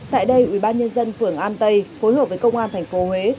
tại đây ubnd phường an tây phối hợp với công an tp huế